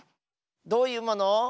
どういうもの？